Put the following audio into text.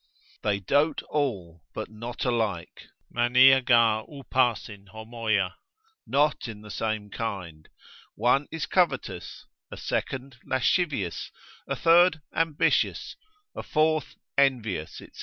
They dote all, but not alike, Μανία γαρ πᾶσιν ὁμοια, not in the same kind, One is covetous, a second lascivious, a third ambitious, a fourth envious, &c.